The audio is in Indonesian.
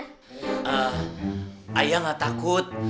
eh ayah nggak takut